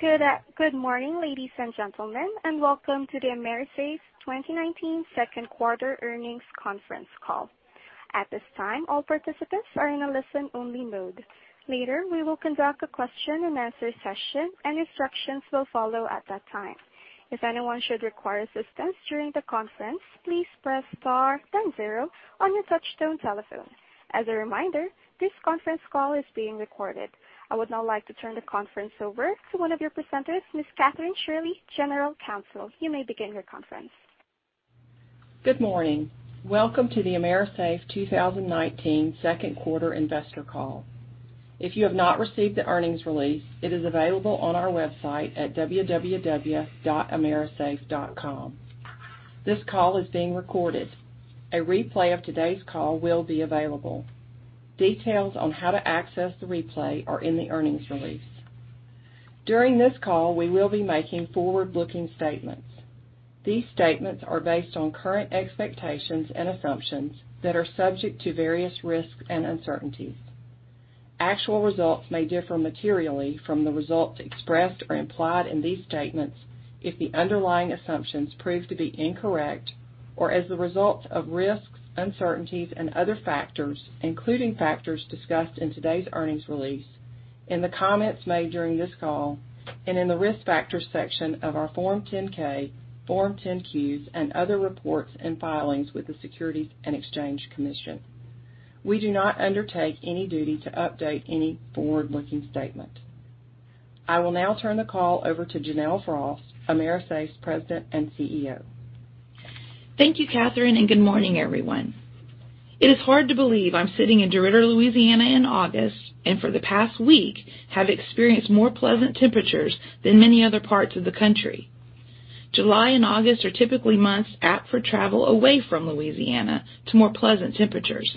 Good morning, ladies and gentlemen, and welcome to the AMERISAFE 2019 second quarter earnings conference call. At this time, all participants are in a listen-only mode. Later, we will conduct a question and answer session, and instructions will follow at that time. If anyone should require assistance during the conference, please press star then zero on your touchtone telephone. As a reminder, this conference call is being recorded. I would now like to turn the conference over to one of your presenters, Ms. Kathryn Shirley, General Counsel. You may begin your conference. Good morning. Welcome to the AMERISAFE 2019 second quarter investor call. If you have not received the earnings release, it is available on our website at www.amerisafe.com. This call is being recorded. A replay of today's call will be available. Details on how to access the replay are in the earnings release. During this call, we will be making forward-looking statements. These statements are based on current expectations and assumptions that are subject to various risks and uncertainties. Actual results may differ materially from the results expressed or implied in these statements if the underlying assumptions prove to be incorrect or as a result of risks, uncertainties, and other factors, including factors discussed in today's earnings release, in the comments made during this call, and in the Risk Factors section of our Form 10-K, Form 10-Qs, and other reports and filings with the Securities and Exchange Commission. We do not undertake any duty to update any forward-looking statement. I will now turn the call over to Janelle Frost, AMERISAFE's President and CEO. Thank you, Kathryn, and good morning, everyone. It is hard to believe I'm sitting in DeRidder, Louisiana, in August and for the past week have experienced more pleasant temperatures than many other parts of the country. July and August are typically months apt for travel away from Louisiana to more pleasant temperatures.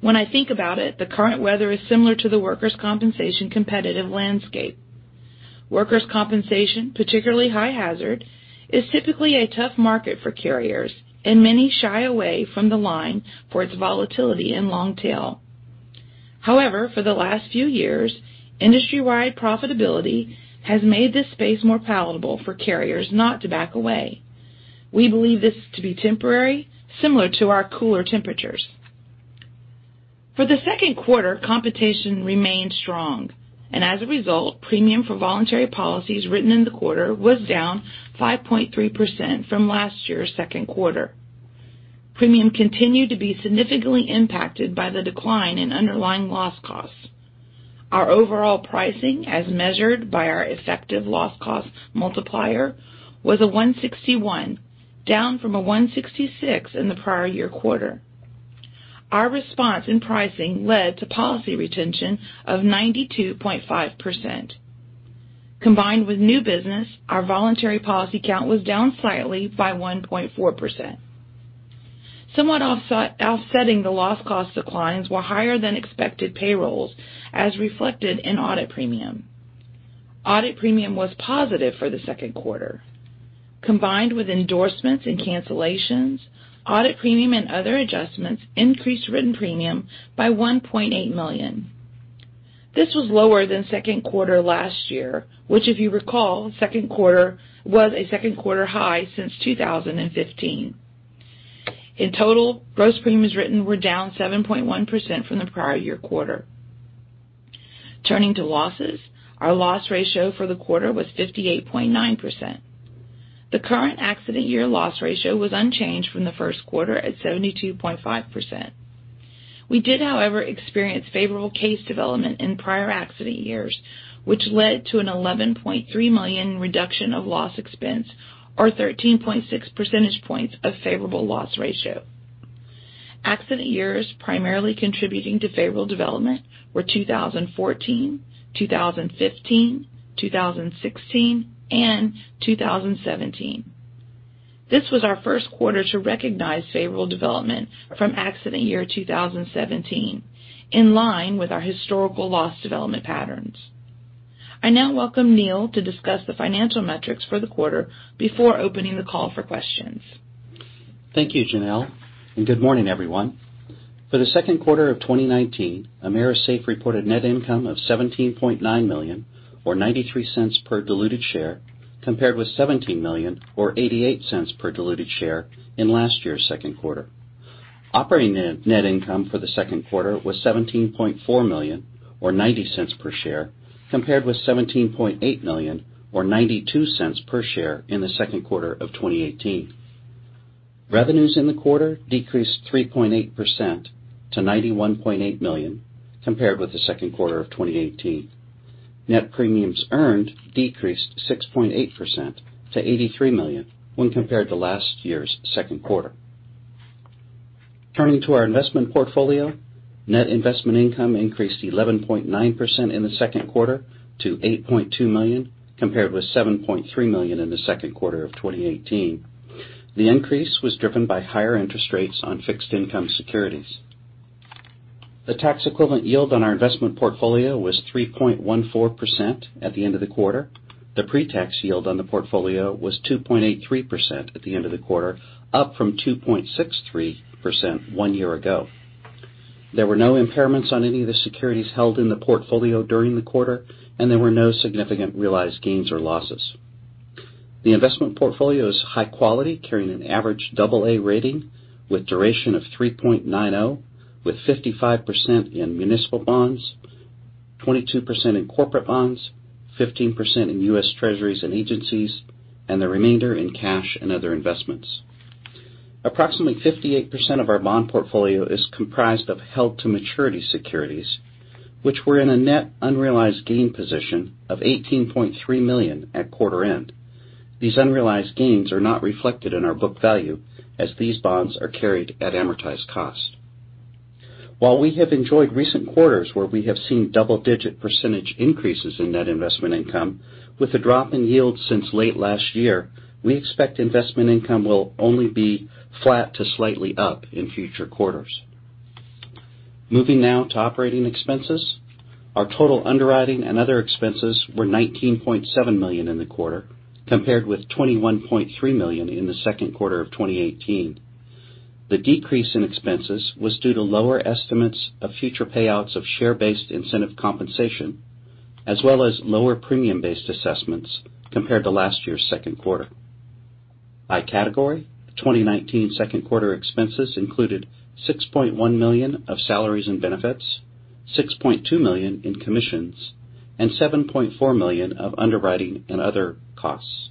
When I think about it, the current weather is similar to the workers' compensation competitive landscape. Workers' compensation, particularly high hazard, is typically a tough market for carriers, and many shy away from the line for its volatility and long tail. For the last few years, industry-wide profitability has made this space more palatable for carriers not to back away. We believe this to be temporary, similar to our cooler temperatures. For the second quarter, competition remained strong. As a result, premium for voluntary policies written in the quarter was down 5.3% from last year's second quarter. Premium continued to be significantly impacted by the decline in underlying loss costs. Our overall pricing, as measured by our effective loss cost multiplier, was 161, down from 166 in the prior year quarter. Our response in pricing led to policy retention of 92.5%. Combined with new business, our voluntary policy count was down slightly by 1.4%. Somewhat offsetting the loss cost declines were higher than expected payrolls, as reflected in audit premium. Audit premium was positive for the second quarter. Combined with endorsements and cancellations, audit premium and other adjustments increased written premium by $1.8 million. This was lower than second quarter last year, which if you recall, was a second quarter high since 2015. In total, gross premiums written were down 7.1% from the prior year quarter. Turning to losses, our loss ratio for the quarter was 58.9%. The current accident year loss ratio was unchanged from the first quarter at 72.5%. We did, however, experience favorable case development in prior accident years, which led to an $11.3 million reduction of loss expense or 13.6 percentage points of favorable loss ratio. Accident years primarily contributing to favorable development were 2014, 2015, 2016, and 2017. This was our first quarter to recognize favorable development from accident year 2017, in line with our historical loss development patterns. I now welcome Neal to discuss the financial metrics for the quarter before opening the call for questions. Thank you, Janelle, and good morning, everyone. For the second quarter of 2019, AMERISAFE reported net income of $17.9 million or $0.93 per diluted share, compared with $17 million or $0.88 per diluted share in last year's second quarter. Operating net income for the second quarter was $17.4 million or $0.90 per share, compared with $17.8 million or $0.92 per share in the second quarter of 2018. Revenues in the quarter decreased 3.8% to $91.8 million compared with the second quarter of 2018. Net premiums earned decreased 6.8% to $83 million when compared to last year's second quarter. Turning to our investment portfolio, net investment income increased 11.9% in the second quarter to $8.2 million, compared with $7.3 million in the second quarter of 2018. The increase was driven by higher interest rates on fixed income securities. The tax equivalent yield on our investment portfolio was 3.14% at the end of the quarter. The pre-tax yield on the portfolio was 2.83% at the end of the quarter, up from 2.63% one year ago. There were no impairments on any of the securities held in the portfolio during the quarter, and there were no significant realized gains or losses. The investment portfolio is high quality, carrying an average double A rating with duration of 3.90, with 55% in municipal bonds, 22% in corporate bonds, 15% in US Treasuries and agencies, and the remainder in cash and other investments. Approximately 58% of our bond portfolio is comprised of held-to-maturity securities, which were in a net unrealized gain position of $18.3 million at quarter end. These unrealized gains are not reflected in our book value as these bonds are carried at amortized cost. While we have enjoyed recent quarters where we have seen double-digit percentage increases in net investment income, with the drop in yields since late last year, we expect investment income will only be flat to slightly up in future quarters. Moving now to operating expenses. Our total underwriting and other expenses were $19.7 million in the quarter, compared with $21.3 million in the second quarter of 2018. The decrease in expenses was due to lower estimates of future payouts of share-based incentive compensation, as well as lower premium-based assessments compared to last year's second quarter. By category, 2019 second quarter expenses included $6.1 million of salaries and benefits, $6.2 million in commissions, and $7.4 million of underwriting and other costs.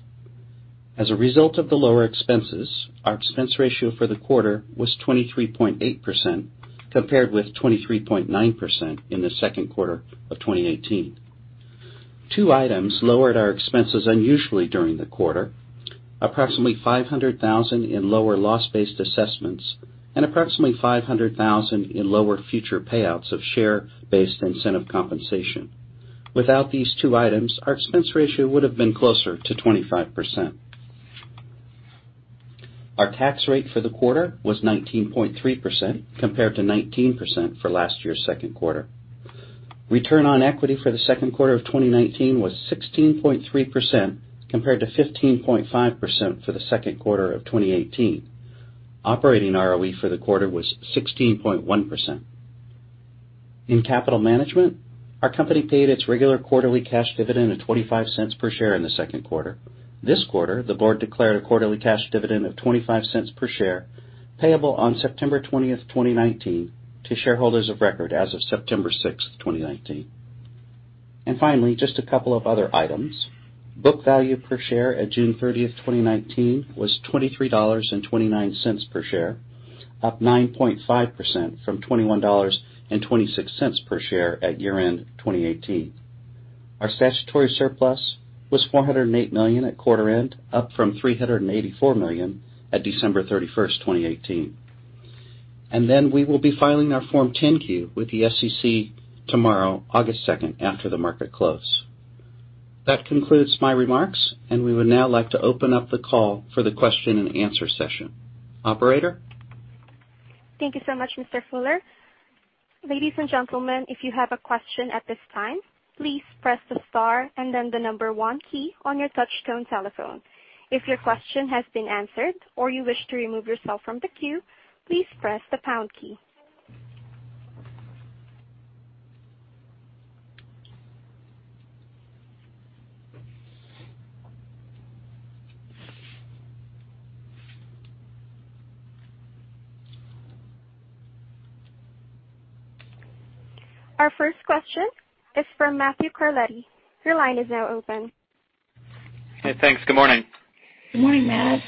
As a result of the lower expenses, our expense ratio for the quarter was 23.8%, compared with 23.9% in the second quarter of 2018. Two items lowered our expenses unusually during the quarter. Approximately $500,000 in lower loss-based assessments and approximately $500,000 in lower future payouts of share-based incentive compensation. Without these two items, our expense ratio would have been closer to 25%. Our tax rate for the quarter was 19.3%, compared to 19% for last year's second quarter. Return on equity for the second quarter of 2019 was 16.3%, compared to 15.5% for the second quarter of 2018. Operating ROE for the quarter was 16.1%. In capital management, our company paid its regular quarterly cash dividend of $0.25 per share in the second quarter. This quarter, the board declared a quarterly cash dividend of $0.25 per share, payable on September 20th, 2019, to shareholders of record as of September 6th, 2019. Finally, just a couple of other items. Book value per share at June 30th, 2019, was $23.29 per share, up 9.5% from $21.26 per share at year-end 2018. Our statutory surplus was $408 million at quarter end, up from $384 million at December 31st, 2018. Then we will be filing our Form 10-Q with the SEC tomorrow, August 2nd, after the market close. That concludes my remarks, and we would now like to open up the call for the question and answer session. Operator? Thank you so much, Mr. Fuller. Ladies and gentlemen, if you have a question at this time, please press the star and then the number 1 key on your touchtone telephone. If your question has been answered or you wish to remove yourself from the queue, please press the pound key. Our first question is from Matthew Carletti. Your line is now open. Hey, thanks. Good morning. Good morning, Matt.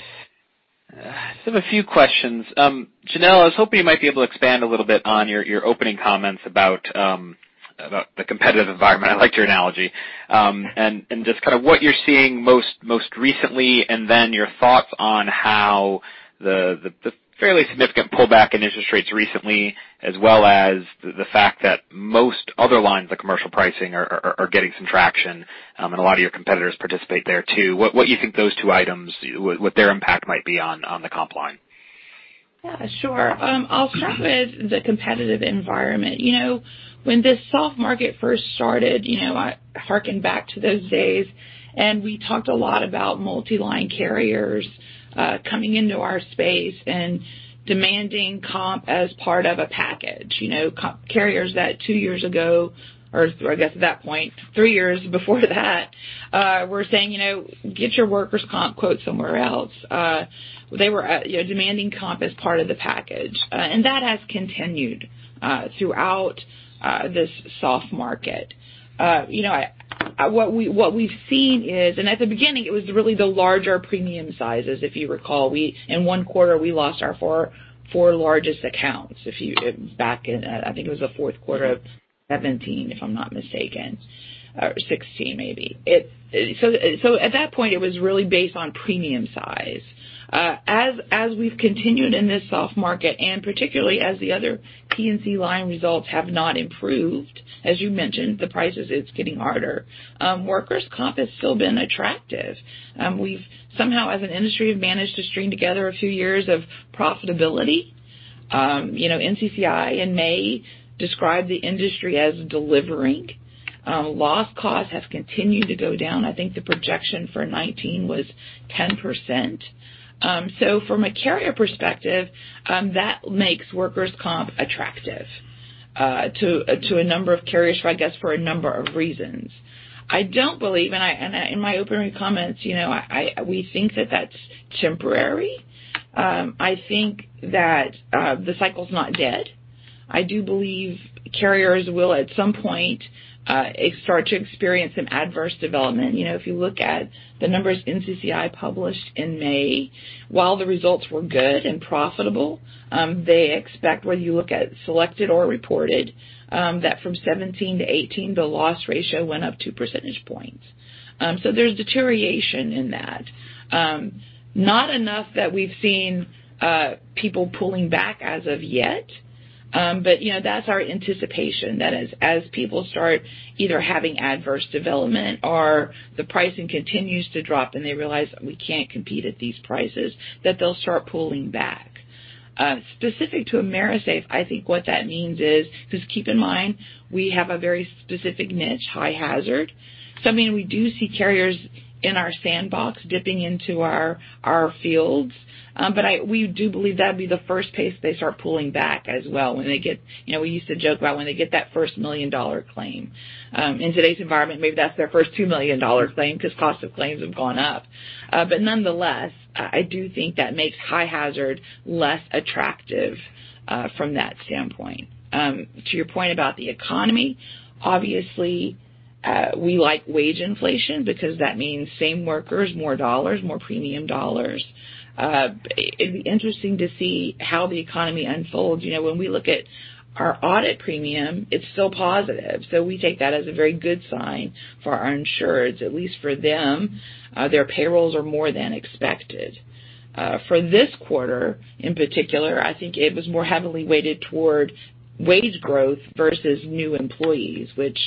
A few questions. Janelle, I was hoping you might be able to expand a little bit on your opening comments about the competitive environment. I liked your analogy. Just kind of what you're seeing most recently, and then your thoughts on how the fairly significant pullback in interest rates recently, as well as the fact that most other lines of commercial pricing are getting some traction, and a lot of your competitors participate there too. What you think those two items, what their impact might be on the comp line? Yeah, sure. I'll start with the competitive environment. When this soft market first started, I hearken back to those days, and we talked a lot about multi-line carriers coming into our space and demanding comp as part of a package. Carriers that two years ago, or I guess at that point, three years before that, were saying, "Get your workers' comp quote somewhere else." They were demanding comp as part of the package. That has continued throughout this soft market. What we've seen is, at the beginning, it was really the larger premium sizes. If you recall, in one quarter, we lost our four largest accounts, back in, I think it was the fourth quarter of 2017, if I'm not mistaken, or 2016 maybe. At that point, it was really based on premium size. As we've continued in this soft market, and particularly as the other P&C line results have not improved, as you mentioned, the prices, it's getting harder. Workers' comp has still been attractive. We've somehow, as an industry, have managed to string together a few years of profitability. NCCI in May described the industry as delivering. Loss costs have continued to go down. I think the projection for 2019 was 10%. From a carrier perspective, that makes workers' comp attractive To a number of carriers, I guess, for a number of reasons. I don't believe, and in my opening comments, we think that that's temporary. I think that the cycle's not dead. I do believe carriers will, at some point, start to experience some adverse development. If you look at the numbers NCCI published in May, while the results were good and profitable, they expect whether you look at selected or reported, that from 2017 to 2018 the loss ratio went up two percentage points. There's deterioration in that. Not enough that we've seen people pulling back as of yet. That's our anticipation. That as people start either having adverse development or the pricing continues to drop and they realize that we can't compete at these prices, that they'll start pulling back. Specific to AMERISAFE, I think what that means is, because keep in mind, we have a very specific niche, high hazard. We do see carriers in our sandbox dipping into our fields. We do believe that'd be the first place they start pulling back as well when they get, we used to joke about when they get that first million-dollar claim. In today's environment, maybe that's their first two million dollar claim because cost of claims have gone up. Nonetheless, I do think that makes high hazard less attractive from that standpoint. To your point about the economy, obviously, we like wage inflation because that means same workers, more dollars, more premium dollars. It'd be interesting to see how the economy unfolds. When we look at our audit premium, it's still positive, so we take that as a very good sign for our insureds. At least for them, their payrolls are more than expected. For this quarter, in particular, I think it was more heavily weighted toward wage growth versus new employees, which,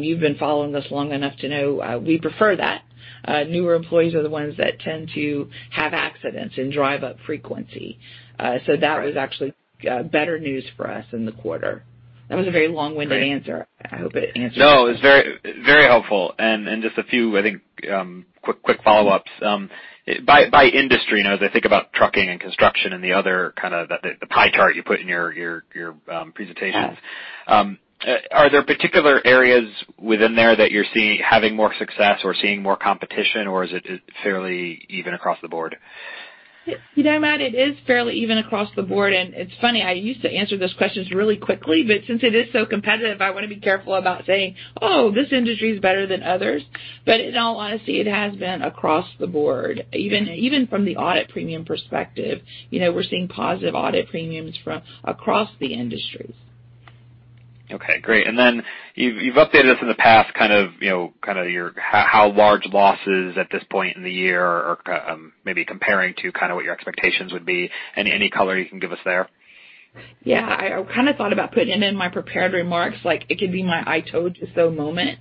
you've been following us long enough to know we prefer that. Newer employees are the ones that tend to have accidents and drive up frequency. That was actually better news for us in the quarter. That was a very long-winded answer. I hope it answers- No, it's very helpful. Just a few, I think, quick follow-ups. By industry, as I think about trucking and construction and the other kind of the pie chart you put in your presentations. Yeah. Are there particular areas within there that you're seeing having more success or seeing more competition, or is it fairly even across the board? You know, Matt, it is fairly even across the board, and it's funny, I used to answer those questions really quickly, but since it is so competitive, I want to be careful about saying, "Oh, this industry is better than others." In all honesty, it has been across the board, even from the audit premium perspective. We're seeing positive audit premiums from across the industries. Okay, great. You've updated us in the past how large losses at this point in the year are maybe comparing to what your expectations would be? Any color you can give us there? Yeah. I thought about putting it in my prepared remarks, like it could be my I told you so moment.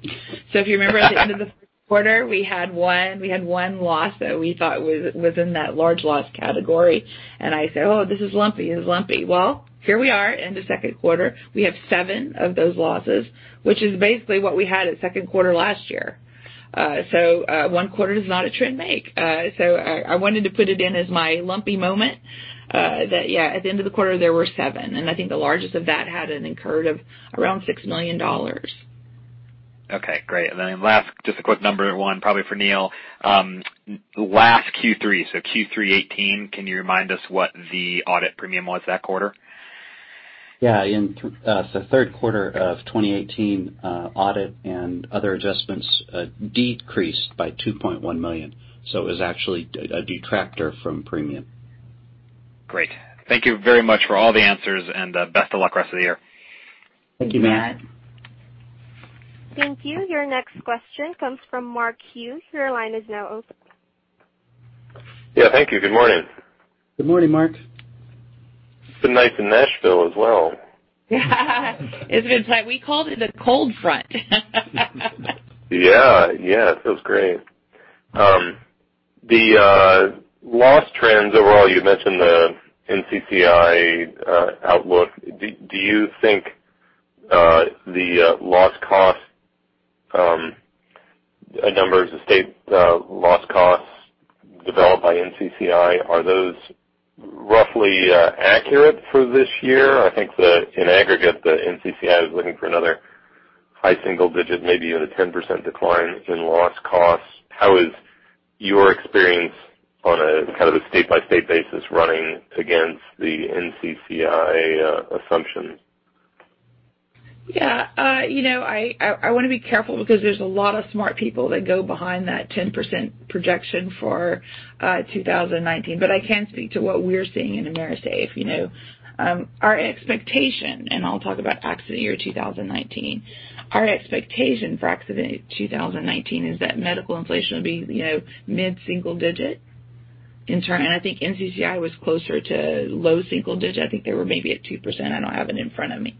If you remember at the end of the first quarter, we had one loss that we thought was in that large loss category, and I said, "Oh, this is lumpy." Well, here we are in the second quarter. We have seven of those losses, which is basically what we had at second quarter last year. One quarter does not a trend make. I wanted to put it in as my lumpy moment, that, yeah, at the end of the quarter, there were seven, and I think the largest of that had an incurred of around $6 million. Okay, great. Last, just a quick number one, probably for Neal. Last Q3 2018, can you remind us what the audit premium was that quarter? Yeah. In the third quarter of 2018, audit and other adjustments decreased by $2.1 million, it was actually a detractor from premium. Great. Thank you very much for all the answers, and best of luck rest of the year. Thank you, Matt. Thank you. Your next question comes from Mark Hughes. Your line is now open. Yeah, thank you. Good morning. Good morning, Mark. It's been nice in Nashville as well. Isn't it? We called it a cold front. Yeah. It feels great. The loss trends overall, you mentioned the NCCI outlook. Do you think the loss cost numbers, the state loss costs developed by NCCI, are those roughly accurate for this year? I think in aggregate, the NCCI was looking for another high single digit, maybe even a 10% decline in loss costs. How is your experience on a kind of a state-by-state basis running against the NCCI assumption? I want to be careful because there's a lot of smart people that go behind that 10% projection for 2019. I can speak to what we're seeing in AMERISAFE. Our expectation, and I'll talk about accident year 2019. Our expectation for accident 2019 is that medical inflation will be mid-single digit. I think NCCI was closer to low single digit. I think they were maybe at 2%. I don't have it in front of me.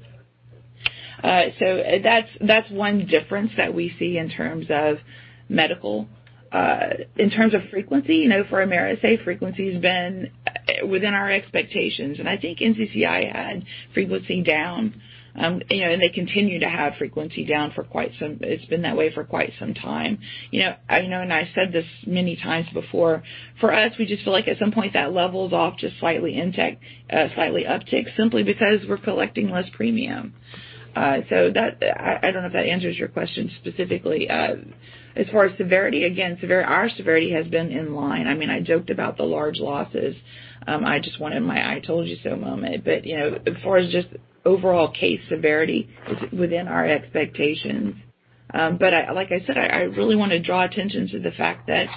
That's one difference that we see in terms of medical. In terms of frequency, for AMERISAFE, frequency has been within our expectations, and I think NCCI had frequency down, and they continue to have frequency down. It's been that way for quite some time. I know, I said this many times before, for us, we just feel like at some point that levels off to slightly uptick simply because we're collecting less premium. I don't know if that answers your question specifically. As far as severity, again, our severity has been in line. I joked about the large losses. I just wanted my I-told-you-so moment, but as far as just overall case severity, it's within our expectations. Like I said, I really want to draw attention to the fact that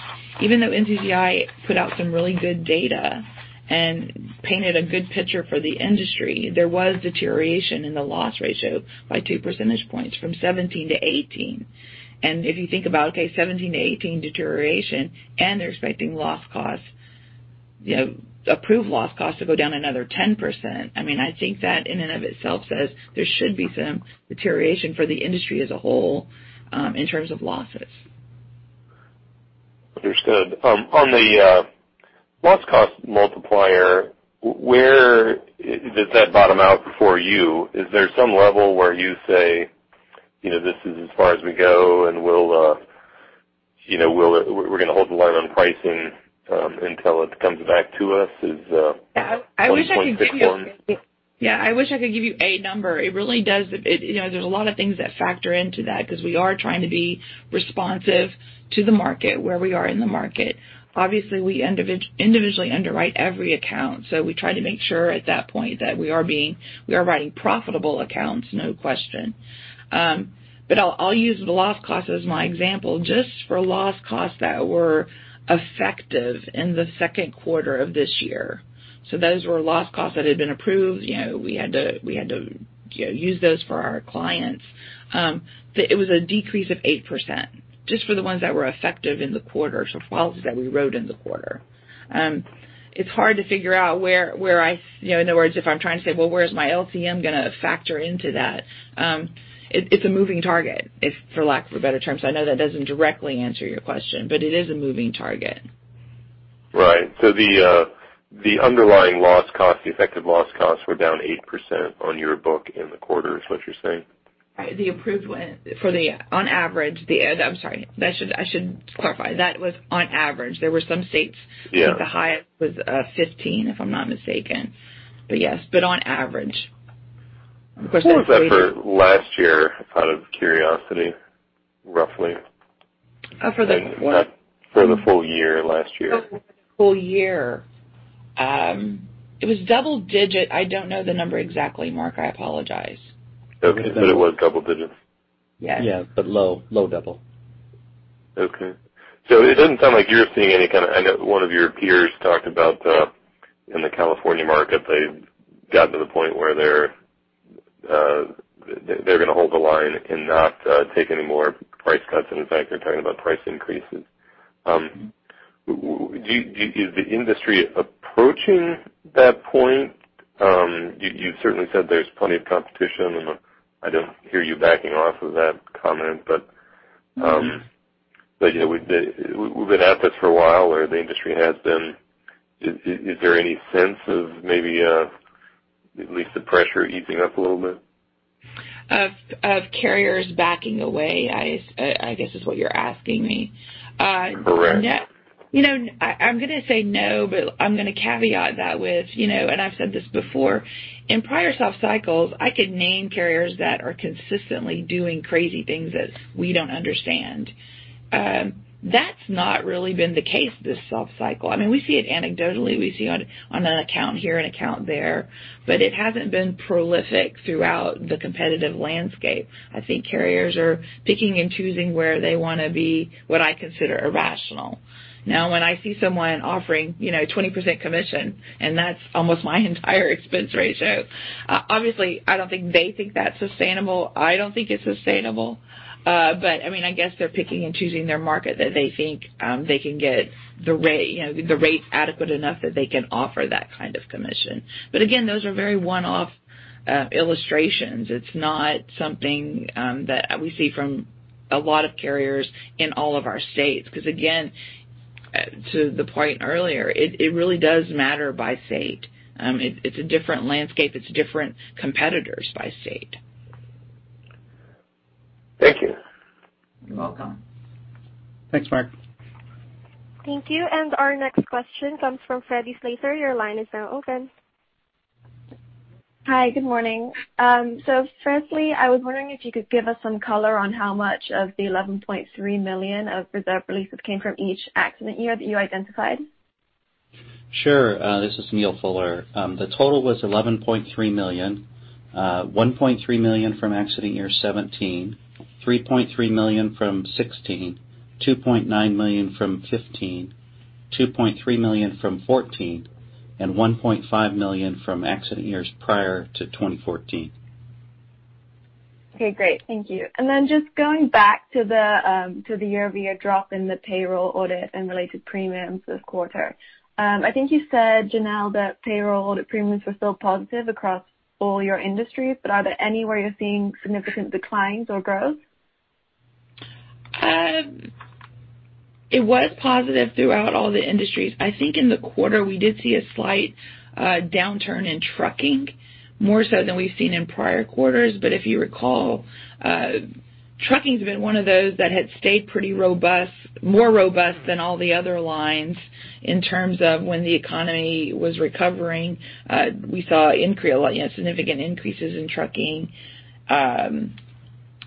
even though NCCI put out some really good data and painted a good picture for the industry, there was deterioration in the loss ratio by two percentage points from 2017 to 2018. If you think about, okay, 2017 to 2018 deterioration and they're expecting approved loss costs to go down another 10%, I think that in and of itself says there should be some deterioration for the industry as a whole in terms of losses. Understood. On the loss cost multiplier, where does that bottom out for you? Is there some level where you say, "This is as far as we go, and we're going to hold the line on pricing until it comes back to us," is 26.6. I wish I could give you a number. There's a lot of things that factor into that because we are trying to be responsive to the market, where we are in the market. Obviously, we individually underwrite every account. We try to make sure at that point that we are writing profitable accounts, no question. I'll use the loss cost as my example, just for loss costs that were effective in the second quarter of this year. Those were loss costs that had been approved. We had to use those for our clients. It was a decrease of 8%, just for the ones that were effective in the quarter, policies that we wrote in the quarter. It's hard to figure out where, in other words, if I'm trying to say, "Well, where's my LCM going to factor into that?" It's a moving target, for lack of a better term. I know that doesn't directly answer your question, but it is a moving target. Right. The underlying loss cost, the effective loss costs, were down 8% on your book in the quarter, is what you're saying? Right. I'm sorry. I should clarify. That was on average. Yeah I think the highest was 15, if I'm not mistaken. Yes, but on average. Of course. What was that for last year, out of curiosity, roughly? For the what? For the full year, last year. Full year. It was double-digit. I don't know the number exactly, Mark. I apologize. It was double digits? Yes. Yes, low double. It doesn't sound like you're seeing any kind of I know one of your peers talked about in the California market, they've gotten to the point where they're going to hold the line and not take any more price cuts. In fact, they're talking about price increases. Is the industry approaching that point? You've certainly said there's plenty of competition, I don't hear you backing off of that comment. we've been at this for a while, or the industry has been. Is there any sense of maybe at least the pressure easing up a little bit? Of carriers backing away, I guess, is what you're asking me. Correct. I'm going to say no, but I'm going to caveat that with, and I've said this before, in prior soft cycles, I could name carriers that are consistently doing crazy things that we don't understand. That's not really been the case this soft cycle. We see it anecdotally. We see it on an account here and account there, but it hasn't been prolific throughout the competitive landscape. I think carriers are picking and choosing where they want to be what I consider irrational. Now, when I see someone offering 20% commission, and that's almost my entire expense ratio, obviously, I don't think they think that's sustainable. I don't think it's sustainable. I guess they're picking and choosing their market that they think they can get the rates adequate enough that they can offer that kind of commission. Again, those are very one-off illustrations. It's not something that we see from a lot of carriers in all of our states because, again, to the point earlier, it really does matter by state. It's a different landscape. It's different competitors by state. Thank you. You're welcome. Thanks, Mark. Thank you. Our next question comes from Freddie Slater. Your line is now open. Hi. Good morning. Firstly, I was wondering if you could give us some color on how much of the $11.3 million of reserve releases came from each accident year that you identified. Sure. This is Neal Fuller. The total was $11.3 million, $1.3 million from accident year 2017, $3.3 million from 2016, $2.9 million from 2015, $2.3 million from 2014, and $1.5 million from accident years prior to 2014. Okay, great. Thank you. Just going back to the year-over-year drop in the payroll audit and related premiums this quarter. I think you said, Janelle, that payroll audit premiums were still positive across all your industries, but are there any where you're seeing significant declines or growth? It was positive throughout all the industries. I think in the quarter, we did see a slight downturn in trucking, more so than we've seen in prior quarters. If you recall, trucking's been one of those that had stayed pretty robust, more robust than all the other lines in terms of when the economy was recovering. We saw significant increases in trucking.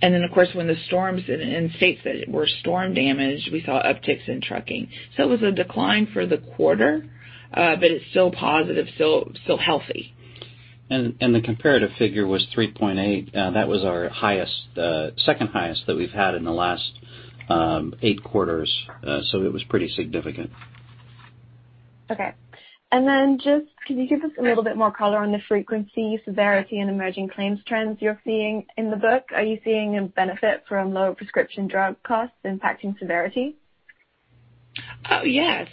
Of course, when the storms, in states that were storm damaged, we saw upticks in trucking. It was a decline for the quarter, but it's still positive, still healthy. The comparative figure was 3.8. That was our second highest that we've had in the last 8 quarters. It was pretty significant. Okay. Can you give us a little bit more color on the frequency, severity, and emerging claims trends you're seeing in the book? Are you seeing a benefit from lower prescription drug costs impacting severity? Yes.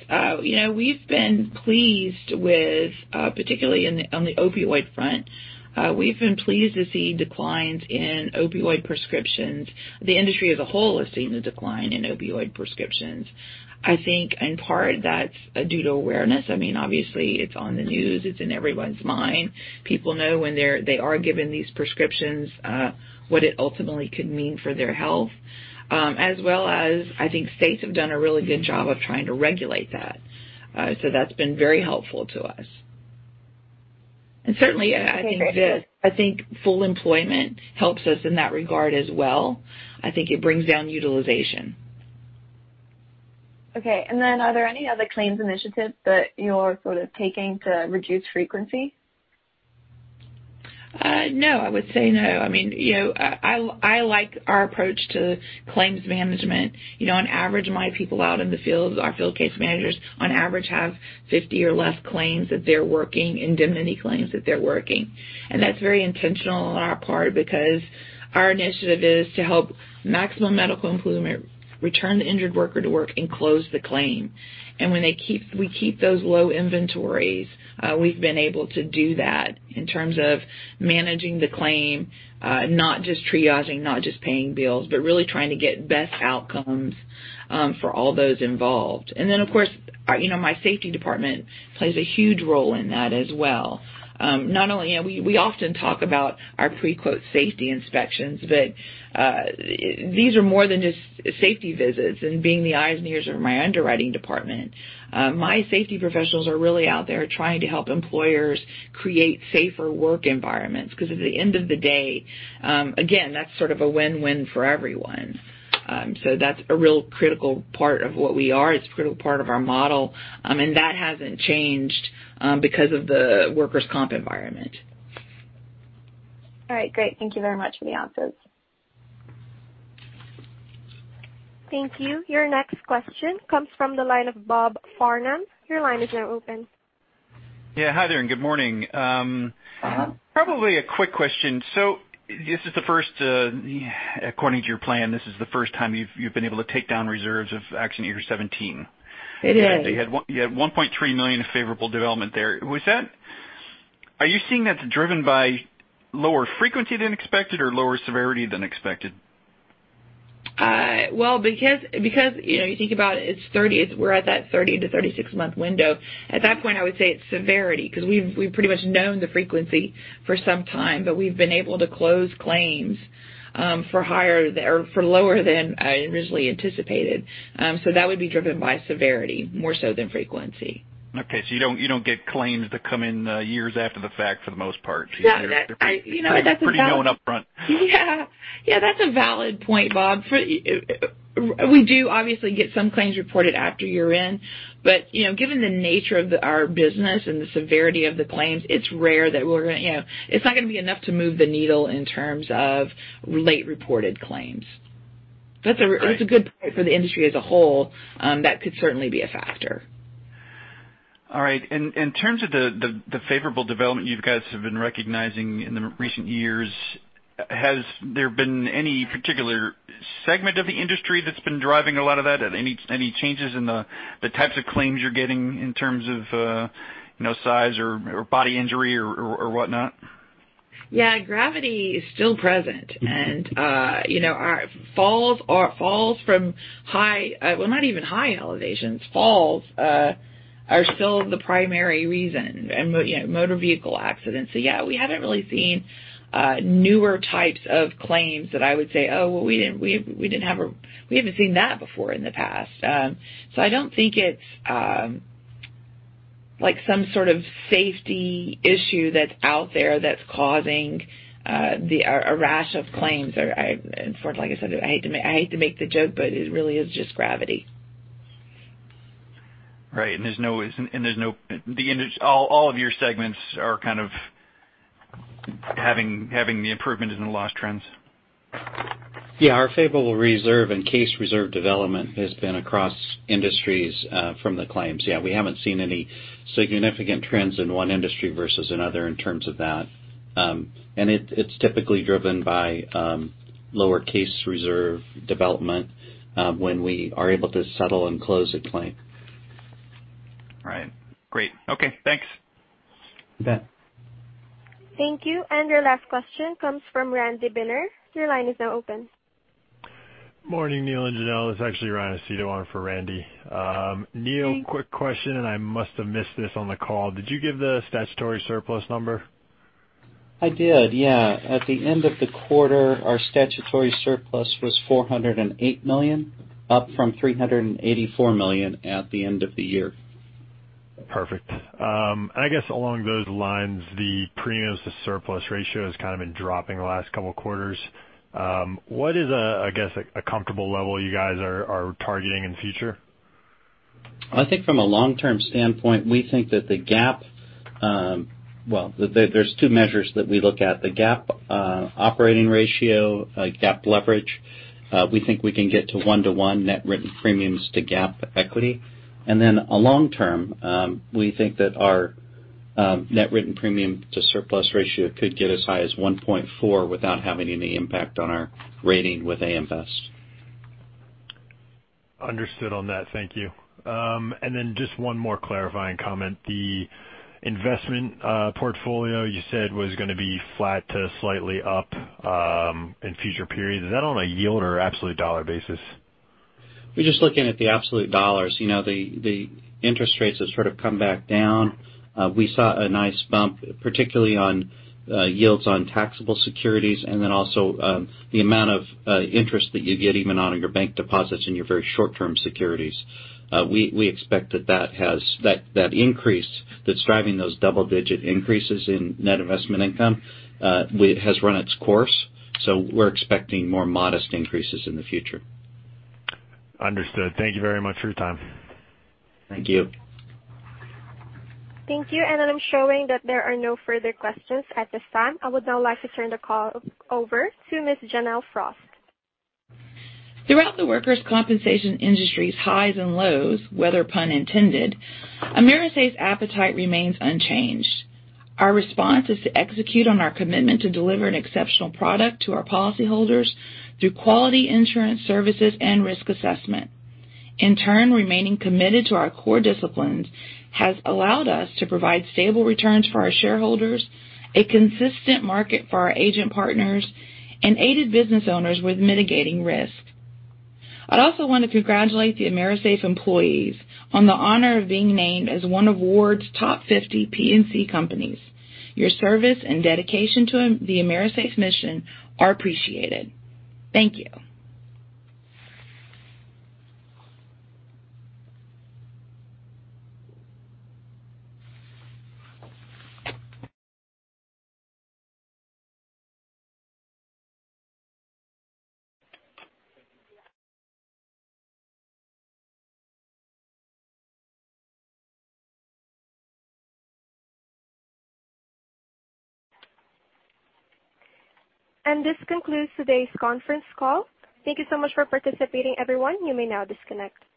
Particularly on the opioid front, we've been pleased to see declines in opioid prescriptions. The industry as a whole has seen a decline in opioid prescriptions. I think in part that's due to awareness. Obviously, it's on the news, it's in everyone's mind. People know when they are given these prescriptions what it ultimately could mean for their health. As well as I think states have done a really good job of trying to regulate that. That's been very helpful to us. And certainly- Okay I think full employment helps us in that regard as well. I think it brings down utilization. Okay. Are there any other claims initiatives that you're taking to reduce frequency? No, I would say no. I like our approach to claims management. On average, my people out in the field, our field case managers, on average, have 50 or less claims that they're working, indemnity claims that they're working. That's very intentional on our part because our initiative is to help maximum medical improvement return the injured worker to work and close the claim. When we keep those low inventories, we've been able to do that in terms of managing the claim, not just triaging, not just paying bills, but really trying to get best outcomes for all those involved. Of course, my safety department plays a huge role in that as well. We often talk about our pre-quote safety inspections, but these are more than just safety visits and being the eyes and ears of my underwriting department. My safety professionals are really out there trying to help employers create safer work environments because at the end of the day, again, that's sort of a win-win for everyone. That's a real critical part of what we are. It's a critical part of our model. That hasn't changed because of the workers' comp environment. All right. Great. Thank you very much for the answers. Thank you. Your next question comes from the line of Bob Farnham. Your line is now open. Yeah. Hi there, and good morning. Probably a quick question. According to your plan, this is the first time you've been able to take down reserves of accident year 2017. It is. You had $1.3 million of favorable development there. Are you seeing that's driven by lower frequency than expected or lower severity than expected? Well, because you think about it, we're at that 30 to 36-month window. At that point, I would say it's severity because we've pretty much known the frequency for some time, but we've been able to close claims for lower than I originally anticipated. That would be driven by severity more so than frequency. Okay. You don't get claims that come in years after the fact for the most part. No. They're pretty known upfront. Yeah. That's a valid point, Bob. We do obviously get some claims reported after year-end, given the nature of our business and the severity of the claims, it's not going to be enough to move the needle in terms of late-reported claims. Right. That's a good point for the industry as a whole. That could certainly be a factor. All right. In terms of the favorable development you guys have been recognizing in the recent years, has there been any particular segment of the industry that's been driving a lot of that? Any changes in the types of claims you're getting in terms of size or body injury or whatnot? Yeah. Gravity is still present. Falls from high, well, not even high elevations, falls are still the primary reason, motor vehicle accidents. Yeah, we haven't really seen newer types of claims that I would say, "Oh, we haven't seen that before in the past." I don't think it's some sort of safety issue that's out there that's causing a rash of claims. Like I said, I hate to make the joke, it really is just gravity. Right. All of your segments are kind of having the improvement in the loss trends. Yeah. Our favorable reserve and case reserve development has been across industries from the claims. Yeah, we haven't seen any significant trends in one industry versus another in terms of that. It's typically driven by lower case reserve development when we are able to settle and close a claim. Right. Great. Okay, thanks. You bet. Thank you. Your last question comes from Randy Binner. Your line is now open. Morning, Neal and Janelle. This is actually Ryan Seto on for Randy. Hi. Neal, quick question, and I must have missed this on the call. Did you give the statutory surplus number? I did, yeah. At the end of the quarter, our statutory surplus was $408 million, up from $384 million at the end of the year. Perfect. I guess along those lines, the premiums to surplus ratio has kind of been dropping the last couple quarters. What is, I guess, a comfortable level you guys are targeting in the future? I think from a long-term standpoint, we think that the GAAP Well, there's two measures that we look at. The GAAP operating ratio, GAAP leverage, we think we can get to 1 to 1 net written premiums to GAAP equity. Then long-term, we think that our net written premium to surplus ratio could get as high as 1.4 without having any impact on our rating with AM Best. Understood on that. Thank you. Then just one more clarifying comment. The investment portfolio you said was going to be flat to slightly up in future periods. Is that on a yield or absolute dollar basis? We're just looking at the absolute dollars. The interest rates have sort of come back down. We saw a nice bump, particularly on yields on taxable securities and then also the amount of interest that you get even on your bank deposits and your very short-term securities. We expect that increase that's driving those double-digit increases in net investment income has run its course. We're expecting more modest increases in the future. Understood. Thank you very much for your time. Thank you. Thank you. I'm showing that there are no further questions at this time. I would now like to turn the call over to Ms. Janelle Frost. Throughout the workers' compensation industry's highs and lows, weather pun intended, AMERISAFE's appetite remains unchanged. Our response is to execute on our commitment to deliver an exceptional product to our policyholders through quality insurance services and risk assessment. In turn, remaining committed to our core disciplines has allowed us to provide stable returns for our shareholders, a consistent market for our agent partners, and aided business owners with mitigating risk. I'd also want to congratulate the AMERISAFE employees on the honor of being named as one of Ward's Top 50 P&C companies. Your service and dedication to the AMERISAFE mission are appreciated. Thank you. This concludes today's conference call. Thank you so much for participating, everyone. You may now disconnect.